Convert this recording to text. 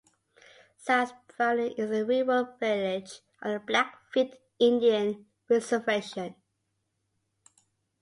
South Browning is a rural village on the Blackfeet Indian Reservation.